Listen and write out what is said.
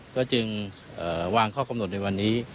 ก็จึงวางข้อกำหนดในวันนี้